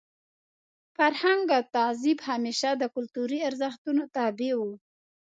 فرهنګ او تهذیب همېشه د کلتوري ارزښتونو تابع وو.